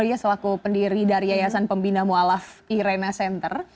dia selaku pendiri dari yayasan pembina mualaf irena center